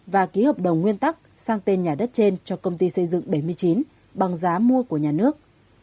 và ký hợp đồng nguyên tắc sang tên nhà đất trên cho công ty xây dựng bảy mươi chín bằng giá mua của nhà nước